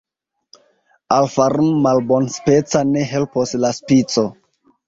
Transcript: Al farun' malbonspeca ne helpos la spico.